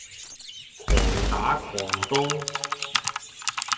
狂打狂咚